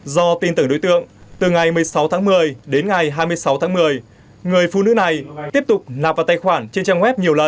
do tin tưởng đối tượng từ ngày một mươi sáu tháng một mươi đến ngày hai mươi sáu tháng một mươi người phụ nữ này tiếp tục nạp